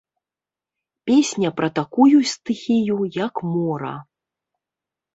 Песня пра такую стыхію, як мора.